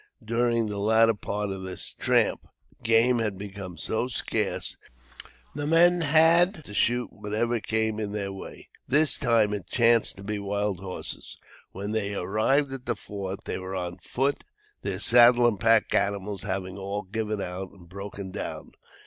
During the latter part of this tramp, game had become so scarce that the men had to shoot whatever came in their way. This time it chanced to be wild horses. When they arrived at the Fort they were on foot, their saddle and pack animals having all given out and broken down.